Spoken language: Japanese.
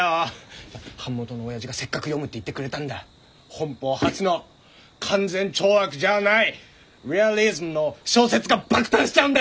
本邦初の勧善懲悪じゃあないＲｅａｌｉｓｍの小説が爆誕しちゃうんだよ！